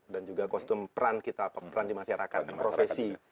dan juga kostum peran kita peran di masyarakat profesi